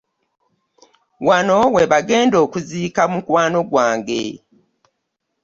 Wano we bagenda okuziika mukwano gwange.